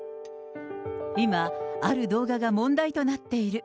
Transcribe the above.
今、ある動画が問題となっている。